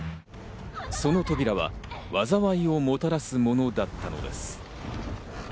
その扉は災いをもたらすものだったのです。